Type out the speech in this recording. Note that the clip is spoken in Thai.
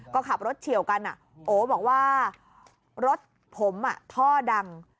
ก็ขับรถเฉียวกันโอบอกว่ารถผมท่อดัง